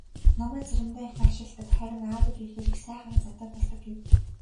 "Намайг заримдаа их аашилдаг, харин аавыг ирэхээр их сайхан зантай болдог" гэв.